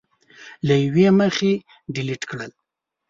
له یوې مخې ډیلېټ کړل